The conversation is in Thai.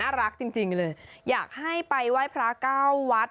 รักจริงเลยอยากให้ไปไหว้พระเก้าวัด